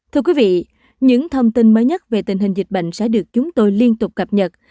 thưa quý vị những thông tin mới nhất về tình hình dịch bệnh sẽ được chúng tôi liên tục cập nhật